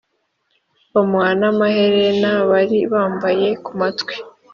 bamuha n amaherena bari bambaye ku matwi